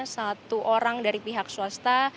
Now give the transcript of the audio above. satu orang dari pihak swasta